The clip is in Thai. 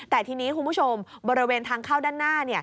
แต่ทีนี้คุณผู้ชมบริเวณทางเข้าด้านหน้า